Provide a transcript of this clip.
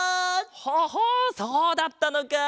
ハハそうだったのか！